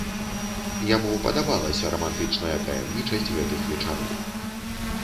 Яму падабалася рамантычная таямнічасць гэтых вечароў.